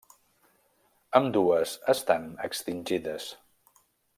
Ambdues estan extingides.